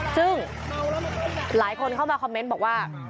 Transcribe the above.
ซึ่งหลายคนเข้ามาคอมเมนต์บอกว่า